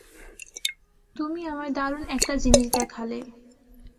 তুমি আমায় দারুণ একটা জিনিস দেখালে।